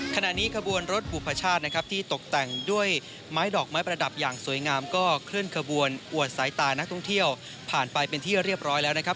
ขณะนี้ขบวนรถบุพชาตินะครับที่ตกแต่งด้วยไม้ดอกไม้ประดับอย่างสวยงามก็เคลื่อนขบวนอวดสายตานักท่องเที่ยวผ่านไปเป็นที่เรียบร้อยแล้วนะครับ